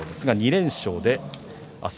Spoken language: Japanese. ２連勝です。